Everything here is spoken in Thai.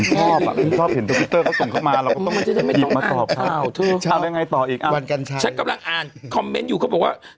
ผมชอบอ่ะเห็นทวิตเตอร์ก็ส่งเข้ามา